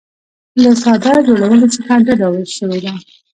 له ساده جوړونې څخه ډډه شوې ده.